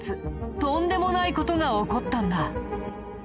とんでもない事が起こったんだ。